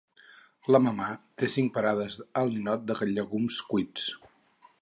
La mamà té cinc parades al Ninot de llegums cuits.